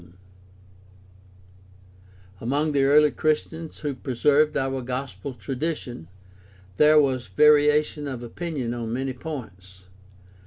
Among the early Christians who preserved our gospel tradition there was variation of opinion on many points.